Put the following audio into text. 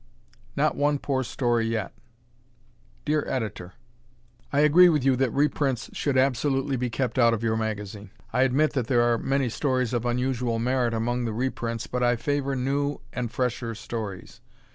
"Not One Poor Story Yet" Dear Editor: I agree with you that reprints should absolutely be kept out of your magazine. I admit that there are many stories of unusual merit among the reprints but I favor new and fresher stories.